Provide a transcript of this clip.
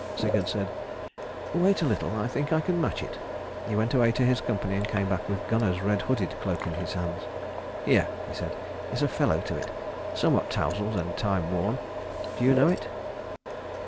Sigurd said, "Wait a little. I think I can match it." He went away to his company and came back with Gunnar's red hooded cloak in his hands. "Here," he said, "is a fellow to it, somewhat tousled and time worn. Do you know it?"